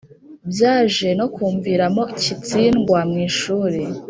Byaje nokumviramo kitsindwa mwishuri